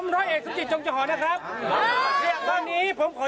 เรามาร่วมกัน